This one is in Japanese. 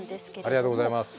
ありがとうございます。